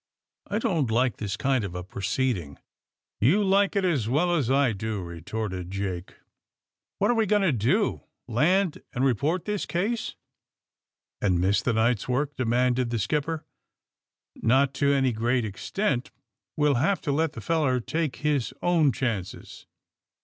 ^^ I don 't like this kind of a proceeding." *^You like it as well as I do," retorted Jake. *^What are we going to do?' Land and report this case?"' And miss the night's work!" demanded the skipper, ^^Not to an/ great extent. We'll have to let the feller take his own chances.